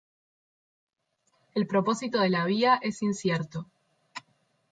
El propósito de la vía es incierto.